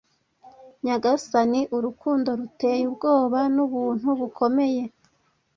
nyagasani urukundo ruteye ubwoba nubuntu bukomeye